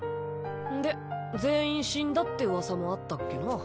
んで全員死んだって噂もあったっけなぁ。